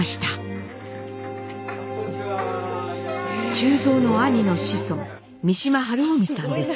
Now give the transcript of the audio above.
忠蔵の兄の子孫三島春臣さんです。